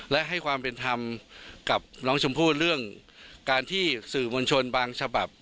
และให้ความเป็นธรรมกับน้องชมพู่เรื่องการที่สื่อมวลชนบางฉบับ